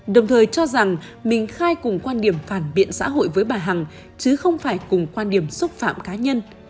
đồng thời cho rằng mình khai cùng quan điểm phản biện xã hội với bà hằng chứ không phải cùng quan điểm xúc phạm cá nhân